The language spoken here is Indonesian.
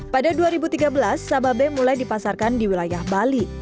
pada dua ribu tiga belas sababe mulai dipasarkan di wilayah bali